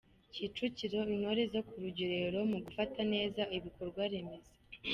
Kicukiro Intore zo ku rugerero mu gufata neza ibikorwaremezo